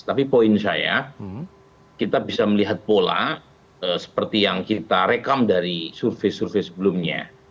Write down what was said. tapi poin saya kita bisa melihat pola seperti yang kita rekam dari survei survei sebelumnya